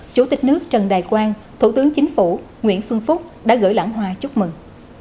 chủ tịch nước trần đại quang thủ tướng chính phủ nguyễn xuân phúc đã gửi lãng hoa chúc mừng